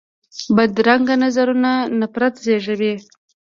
بدرنګه نظرونه نفرت زېږوي